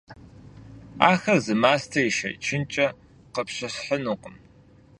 Ахэр зы мастэм ишэчынкӀэ къыпщысхьынукъым.